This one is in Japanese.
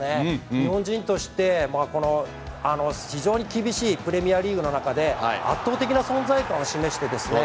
日本人としてこの非常に厳しいプレミアリーグの中で圧倒的な存在感を示してそうですね。